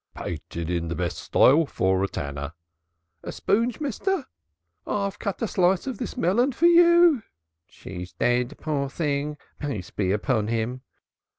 "Painted in the best style, for a tanner " "A spoonge, mister?" "I'll cut a slice of this melon for you for " "She's dead, poor thing, peace be upon him."